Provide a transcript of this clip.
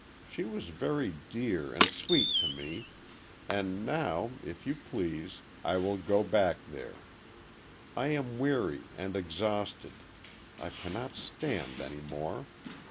She was very dear and sweet to me, and now, if you please, I will go back there. I am weary and exhausted—I cannot stand any more.